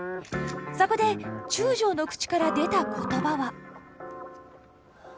そこで中将の口から出た言葉は。